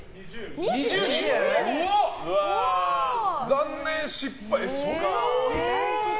残念、失敗。